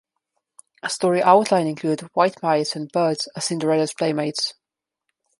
A story outline included "white mice and birds" as Cinderella's playmates.